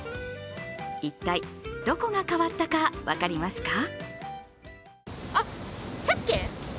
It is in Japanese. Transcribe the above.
一体、どこが変わったか分かりますか？